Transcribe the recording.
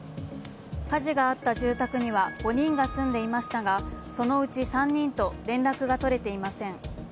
火事があった住宅には５人が住んでいましたがそのうち３人と連絡が取れていません。